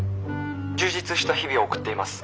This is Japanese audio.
充実した日々を送っています。